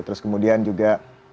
terus kemudian juga